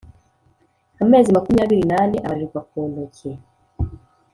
,amezi makumyabiri n, ane abarirwa ku ntoki